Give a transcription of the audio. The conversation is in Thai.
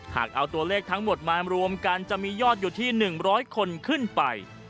หากเอาตัวเลขทั้งหมดมารวมกันจะมียอดอยู่ที่๑๐๐คนขึ้นไป